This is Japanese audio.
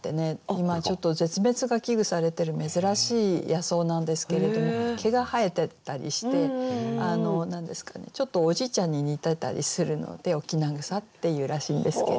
今ちょっと絶滅が危惧されてる珍しい野草なんですけれども毛が生えてたりしてちょっとおじいちゃんに似てたりするので翁草って言うらしいんですけれども。